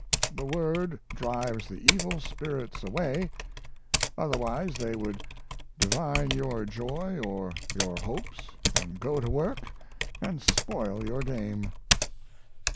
The word drives the evil spirits away; otherwise they would divine your joy or your hopes and go to work and spoil your game.